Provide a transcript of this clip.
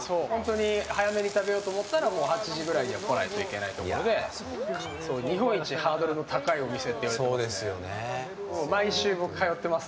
早めに食べようと思ったら８時くらいには来ないといけなくて日本一ハードルの高いお店といわれています。